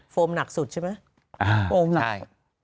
โฟมหนักสุดใช่ไหมโอ้มหนักสุดค่ะใช่